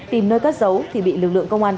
tìm nơi cất giấu thì bị lực lượng công an